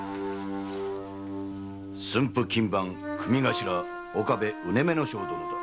駿府勤番組頭・岡部采女正殿だ。